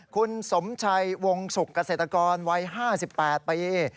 คุณสมชัยวงศุกร์เกษตรกรวัย๕๘ปี